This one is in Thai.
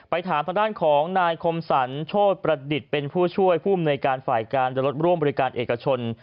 ถามทางด้านของนายคมสรรโชธประดิษฐ์เป็นผู้ช่วยผู้อำนวยการฝ่ายการเดินรถร่วมบริการเอกชน